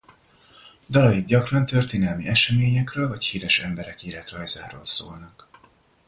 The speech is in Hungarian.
Dalaik gyakran történelmi eseményekről vagy híres emberek életrajzáról szólnak.